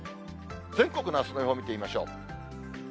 全国のあすの予報を見てみましょう。